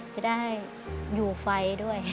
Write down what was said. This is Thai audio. จะได้อยู่ไฟด้วย